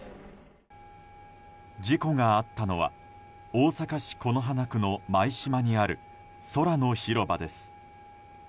事故があったのは大阪市此花区の舞洲にある空の広場です。